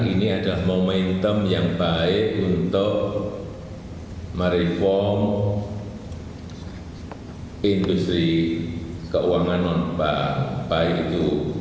ini adalah momentum yang baik untuk mereform industri keuangan non baik itu